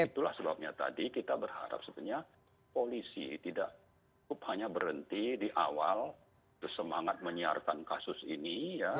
itulah sebabnya tadi kita berharap sebenarnya polisi tidak hanya berhenti di awal bersemangat menyiarkan kasus ini